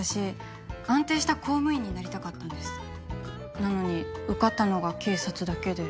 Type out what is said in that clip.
なのに受かったのが警察だけで。